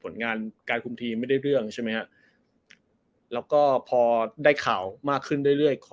แล้วก็พอได้ข่าวมากขึ้นด้วยเลย